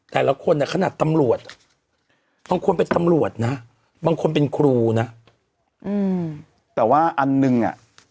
แต่ละคนอ่ะขนาดตำรวจบางคนเป็นตำรวจนะบางคนเป็นครูนะแต่ว่าอันหนึ่งอ่ะ